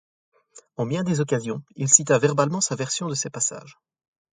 En bien des occasions, il cita verbalement sa version de ces passages.